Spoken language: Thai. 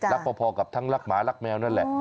พอกับทั้งรักหมารักแมวนั่นแหละ